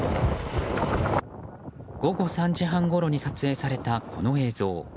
午後３時半ごろに撮影されたこの映像。